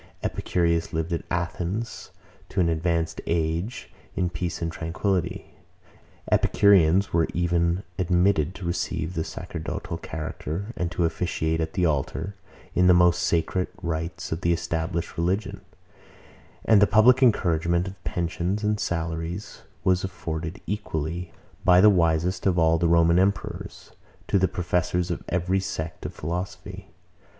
Epicurus lived at Athens to an advanced age, in peace and tranquillity: Epicureans were even admitted to receive the sacerdotal character, and to officiate at the altar, in the most sacred rites of the established religion: And the public encouragement of pensions and salaries was afforded equally, by the wisest of all the Roman emperors, to the professors of every sect of philosophy.